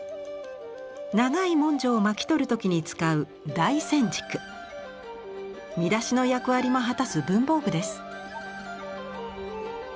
長い文書を巻き取る時に使う見出しの役割も果たす文房具です。